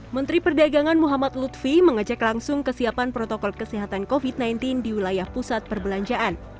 menteri perdagangan muhammad lutfi mengecek langsung kesiapan protokol kesehatan covid sembilan belas di wilayah pusat perbelanjaan